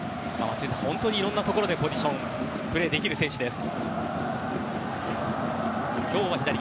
本当に、いろんなところでプレーできる選手です。